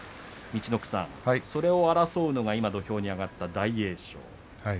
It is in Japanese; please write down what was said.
それを争うのが今、土俵に上がった大栄翔